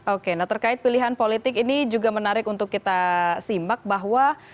oke nah terkait pilihan politik ini juga menarik untuk kita simak bahwa